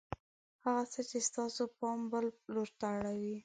هغه څه چې ستاسې پام بل لور ته اړوي